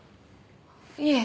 いえ。